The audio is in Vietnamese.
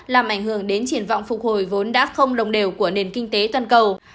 làm ảnh hưởng đến triển vọng phục hồi vốn đã không đồng đều của nền kinh tế toàn cầu